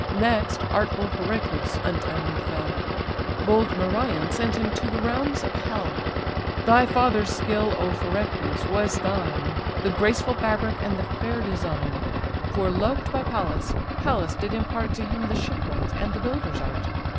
Next artful Phereclus untimely fell; Bold Merion sent him to the realms of hell. Thy father's skill, O Phereclus! was thine, The graceful fabric and the fair design; For loved by Pallas, Pallas did impart To him the shipwright's and the builder's art.